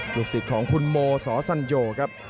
ลูกศิษย์ของคุณโมสอสัญโยครับ